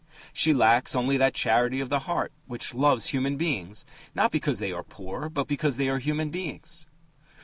She lacks only that charity of the heart which loves human beings, not because they are poor, but because they are human beings.